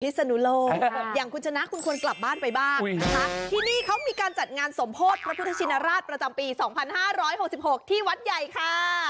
ศนุโลกอย่างคุณชนะคุณควรกลับบ้านไปบ้างนะคะที่นี่เขามีการจัดงานสมโพธิพระพุทธชินราชประจำปี๒๕๖๖ที่วัดใหญ่ค่ะ